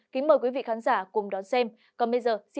kính mời quý vị khán giả cùng đón xem